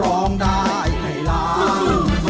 ร้องได้ให้ร้อง